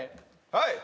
はい！